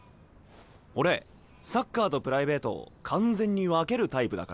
俺サッカーとプライベートを完全に分けるタイプだからよ！